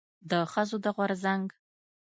د ښځو د غورځنګ